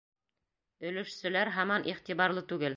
Өлөшсөләр һаман иғтибарлы түгел